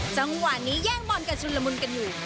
จังหวะนี้แย่งบอลกันชุนละมุนกันอยู่